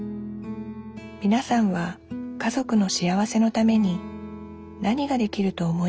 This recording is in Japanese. みなさんは家族の幸せのために何ができると思いますか？